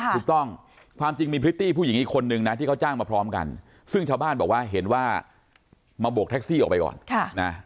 ถูกต้องความจริงมีพริตตี้ผู้หญิงอีกคนนึงนะที่เขาจ้างมาพร้อมกันซึ่งชาวบ้านบอกว่าเห็นว่ามาโบกแท็กซี่ออกไปก่อนนะ